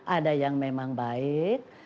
ada yang memang baik